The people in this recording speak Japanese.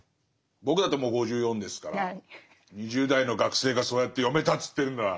僕だってもう５４ですから２０代の学生がそうやって読めたっつってるんなら。